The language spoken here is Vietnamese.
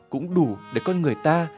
cũng đủ để con người ta